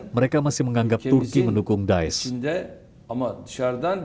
mereka masih menganggap turki mendukung daish